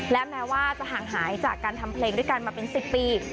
และแม้ว่าจะห่างหายจากการทำเพลงด้วยกันมาเป็น๑๐ปี